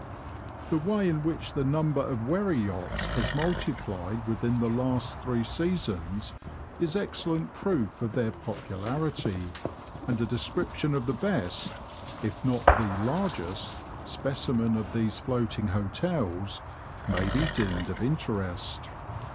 The way in which the number of wherry yachts has multiplied within the last three seasons is excellent proof of their popularity, and a description of the best, if not the largest, specimen of these floating hotels may be deemed of interest.